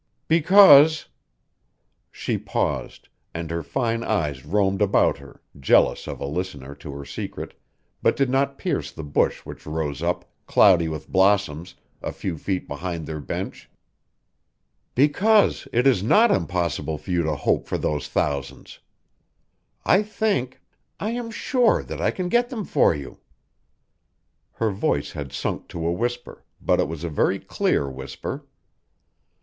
"Because " she paused, and her fine eyes roamed about her jealous of a listener to her secret, but did not pierce the bush which rose up, cloudy with blossoms, a few feet behind their bench "because it is not impossible for you to hope for those thousands. I think I am sure that I can get them for you." Her voice had sunk to a whisper, but it was a very clear whisper.